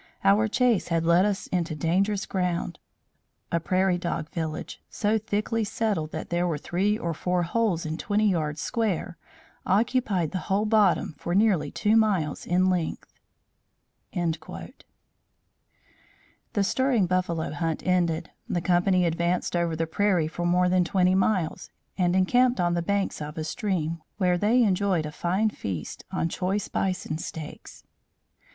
Our chase had led us into dangerous ground. A prairie dog village, so thickly settled that there were three or four holes in twenty yards square, occupied the whole bottom for nearly two miles in length." The stirring buffalo hunt ended, the company advanced over the prairie for more than twenty miles, and encamped on the banks of a stream, where they enjoyed a fine feast on choice bison steaks.